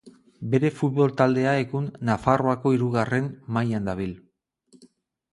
Bere futbol taldea egun Nafarroako Hirugarren Mailan dabil.